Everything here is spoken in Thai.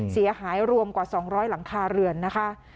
เสียหายรวมกว่า๒๐๐หลังคาเรือนนะคะ